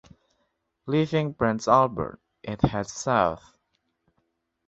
Leaving Prince Albert, it heads south.